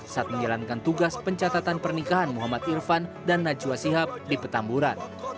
saat menjalankan tugas pencatatan pernikahan muhammad irfan dan najwa sihab di petamburan